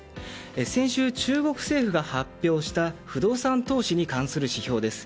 先週、中国政府が発表した不動産投資に関する指標です。